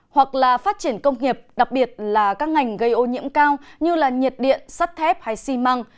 hoặc là phát triển công nghiệp đặc biệt là các ngành gây ô nhiễm cao như nhiệt điện sắt thép hay xi măng